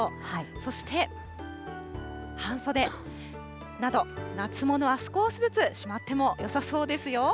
そして半袖など夏物は少しずつしまってもよさそうですよ。